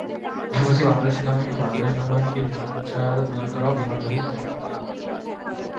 পাশাপাশি, বাংলাদেশ সেনাবাহিনী ও বাংলাদেশ নৌবাহিনীকে বিমান সহায়তা প্রদান করাও বিমান বাহিনীর অন্যতম দায়িত্ব।